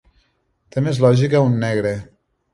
Té més lògica un negre.